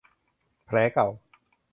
แผลเก่า